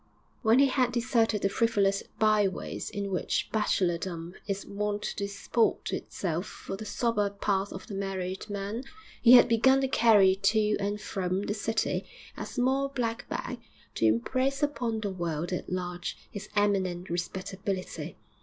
When he had deserted the frivolous byways in which bachelordom is wont to disport itself for the sober path of the married man, he had begun to carry to and from the city a small black bag to impress upon the world at large his eminent respectability.